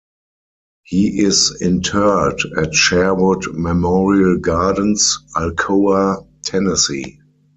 He is interred at Sherwood Memorial Gardens, Alcoa, Tennessee.